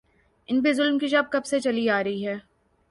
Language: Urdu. ان پہ ظلم کی شب کب سے چلی آ رہی ہے۔